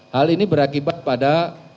hal ini berakibat pada